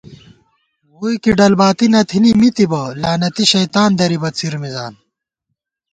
ووئی کی ڈل باتی نہ تھنی مِتِبہ، لعنتی شیطان درِبہ څِر مِزان